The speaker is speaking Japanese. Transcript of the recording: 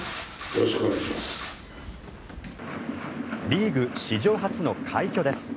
リーグ史上初の快挙です。